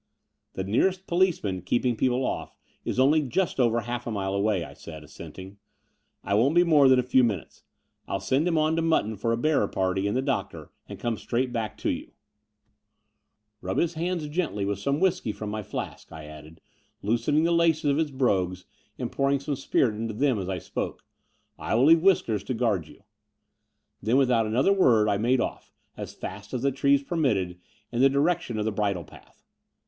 The nearest policeman keeping people off is only just over half a mile away," I said, assenting. I won't be more than a few minutes. I'll send him on to Mutton for a bearer party and the doc tor, and come straight back to you. Rub his The Brighton Road 6i hands gently with some whisky from my flask," I added, loosening the laces of his brogues and pour ing some spirit into them as I spoke. I will leave Whiskers to guard you." Then, without another word I made off, as fast as the trees permitted, in the direction of the bridle path.